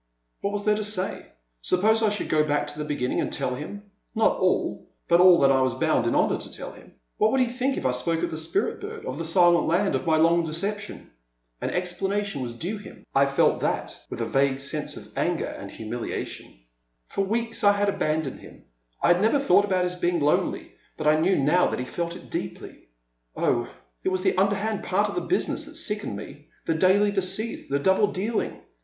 What was there to say? Suppose I should go back to the beginning and tell him — not all, but all that I was bound in honour to tell him. What would he think if I spoke of the Spirit bird, of the Silent Land, of my long deception ? An explanation was due him — I felt that with a 121 1 2 2 The Silent Land. vague sense of anger and humiliation . For weeks I had abandoned him ; I never thought about his being lonely, but I knew now that he had felt it deeply. Oh, it was the underhand part of the business that sickened me, the daily deceit, the double dealing.